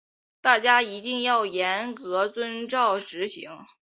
大家一定要严格遵照执行